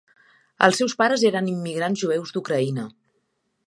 Els seus pares eren immigrants jueus d'Ucraïna.